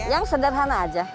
yang sederhana aja